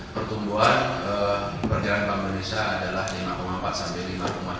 pertumbuhan perjalanan bank indonesia adalah lima empat lima delapan